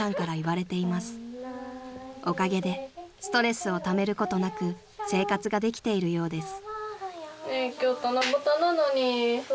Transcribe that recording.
［おかげでストレスをためることなく生活ができているようです］